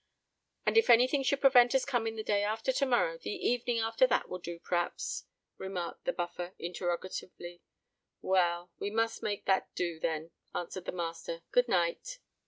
"And if any thing should prevent us coming the day after to morrow, the evening after that will do p'rhaps?" remarked the Buffer, interrogatively. "Well—we must make that do, then," answered the master. "Good night."